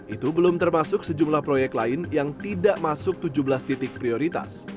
itu belum termasuk sejumlah proyek lain yang tidak masuk tujuh belas titik prioritas